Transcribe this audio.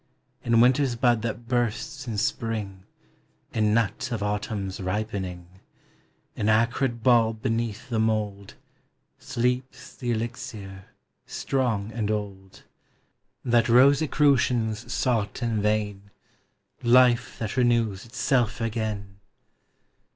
In winter's bud that bursts in spring, In nut of autumn's ripening, In acrid bulb beneath the mold, Sleeps the elixir, strong and old, ANIMATE NATURE. 345 That Rosicrucians sought in vain, — Life that renews itself again!